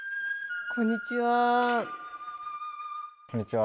こんにちは。